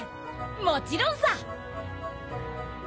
もちろんさ！